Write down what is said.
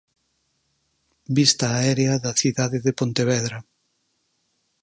Vista aérea da cidade de Pontevedra.